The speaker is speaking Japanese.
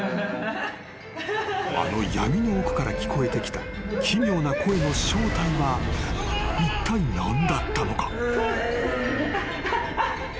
・［あの闇の奥から聞こえてきた奇妙な声の正体はいったい何だったのか？］